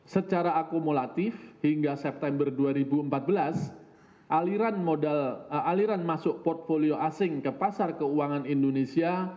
secara akumulatif hingga september dua ribu empat belas aliran masuk portfolio asing ke pasar keuangan indonesia